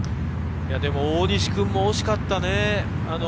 でも、大西君も惜しかったね。